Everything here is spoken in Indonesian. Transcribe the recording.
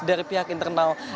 dari pihak internal